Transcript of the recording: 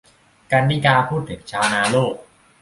กรรณิการ์ พูดถึง ชาวนาโลก